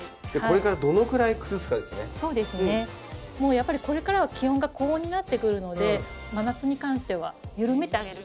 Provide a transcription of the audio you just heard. やっぱりこれからは気温が高温になってくるので真夏に関しては緩めてあげるくらいでいいかと。